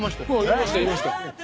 言いました言いました。